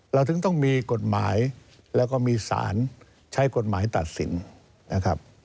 เราถึงต้องมีกฎหมายแล้วก็มีสารใช้กฎหมายตัดสินนะครับ